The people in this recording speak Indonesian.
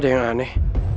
ada yang aneh